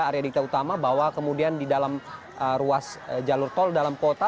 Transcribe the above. area dikta utama bahwa kemudian di dalam ruas jalur tol dalam kota